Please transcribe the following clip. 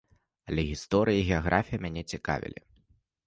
Але гісторыя і геаграфія мяне цікавілі.